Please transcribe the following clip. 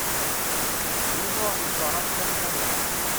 Wid ur neẓẓar amdan d amdan.